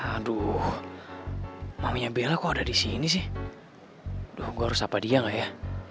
aduh mamenya bella kok ada di sini sih aduh gue harus sapa dia gak ya